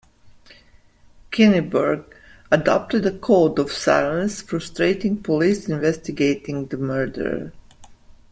Kinniburgh adopted a code of silence, frustrating police investigating the murder.